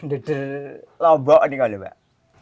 dederhombok ini kalau mbak